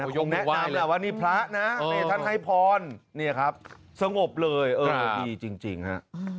ยงแนะนำแหละว่านี่พระนะท่านให้พรเนี่ยครับสงบเลยเออดีจริงฮะ